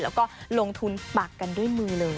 แล้วก็ลงทุนปักกันด้วยมือเลย